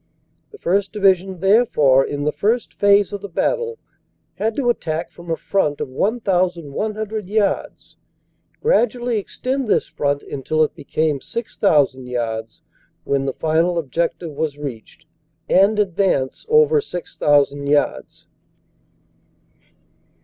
"The 1st. Division, therefore, in the First Phase of the battle, had to attack from a front of 1,100 yards, gradually extend this front until it became 6,000 yards when the final objective was reached, and advance over 6,000 yards.